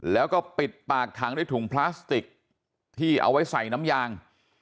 แล้วก็ปิดปากถังด้วยถุงพลาสติกที่เอาไว้ใส่น้ำยาง